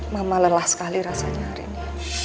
mama lelah sekali rasanya hari ini